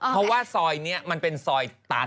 เพราะว่าซอยนี้มันเป็นซอยตัน